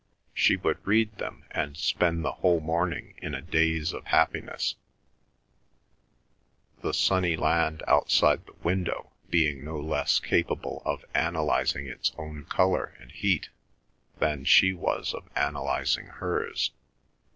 She would read them, and spend the whole morning in a daze of happiness; the sunny land outside the window being no less capable of analysing its own colour and heat than she was of analysing hers.